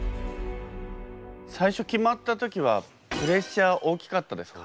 最初決まった時はプレッシャー大きかったですか？